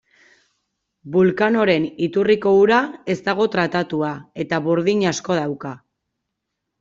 Vulcanoren iturriko ura ez dago tratatuta, eta burdin asko dauka.